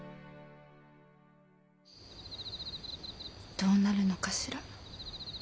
どうなるのかしら。